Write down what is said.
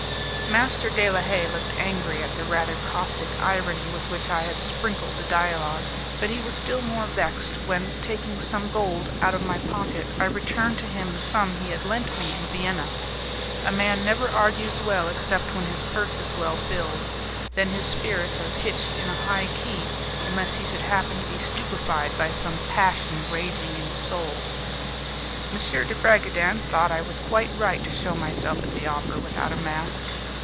Master de la Haye looked angry at the rather caustic irony with which I had sprinkled the dialogue; but he was still more vexed when, taking some gold out of my pocket, I returned to him the sum he had lent me in Vienna. A man never argues well except when his purse is well filled; then his spirits are pitched in a high key, unless he should happen to be stupefied by some passion raging in his soul. M. de Bragadin thought I was quite right to shew myself at the opera without a mask.